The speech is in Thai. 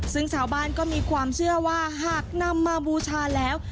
ซึ่งชาวบ้านก็มีความเชื่อว่าหากนำมาบูชาแล้ว